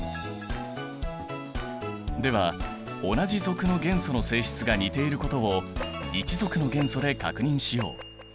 では同じ族の元素の性質が似ていることを１族の元素で確認しよう。